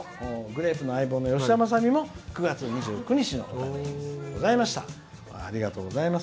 グレープの相棒、吉田政美も９月２９日の誕生日でございました。